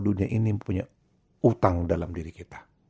dunia ini punya utang dalam diri kita